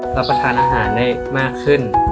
รับประทานอาหารได้มากขึ้น